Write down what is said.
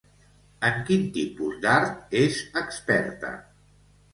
En quin tipus d'art és experta?